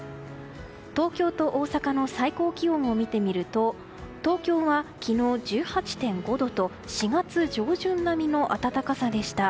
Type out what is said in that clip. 東京と大阪の最高気温を見てみると東京は昨日、１８．５度と４月上旬並みの暖かさでした。